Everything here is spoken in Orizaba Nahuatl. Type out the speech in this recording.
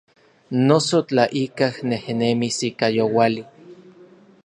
Noso tla ikaj nejnemis ika youali.